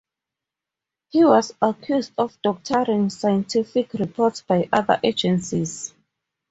He was accused of doctoring scientific reports by other agencies.